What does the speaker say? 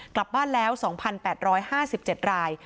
กลับบ้านแล้ว๒๘๕๗ราย